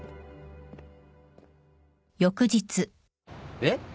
えっ？